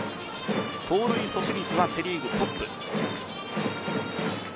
盗塁阻止率はセ・リーグトップ。